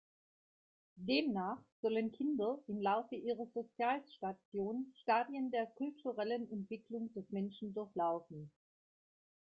Demnach sollen Kinder im Laufe ihrer Sozialisation Stadien der kulturellen Entwicklung des Menschen durchlaufen.